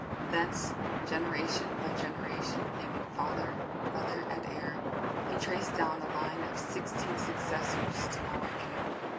Thence, generation by generation, naming father, mother and heir, he traced down a line of sixteen successors to Maweke.